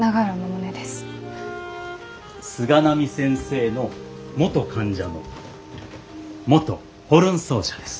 菅波先生の元患者の元ホルン奏者です。